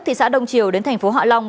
thị xã đông triều đến thành phố họa long